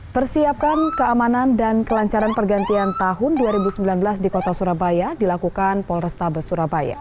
persiapkan keamanan dan kelancaran pergantian tahun dua ribu sembilan belas di kota surabaya dilakukan polrestabes surabaya